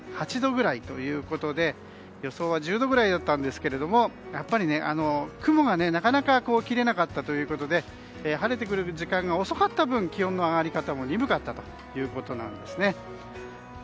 ８度くらいということで予想は１０度くらいでしたがやっぱり雲がなかなか切れなかったということで晴れてくれる時間が遅かった分気温の上がり方も鈍かったということなんですね。